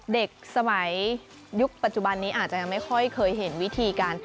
เด็กสมัยยุคปัจจุบันนี้อาจจะยังไม่ค่อยเคยเห็นวิธีการ